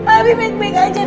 abi baik baik aja